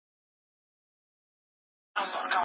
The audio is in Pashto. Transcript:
صنعتي کاروبار څنګه د صادراتو لپاره تیاری نیسي؟